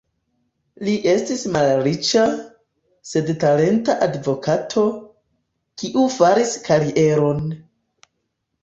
Li estis malriĉa, sed talenta advokato, kiu faris karieron.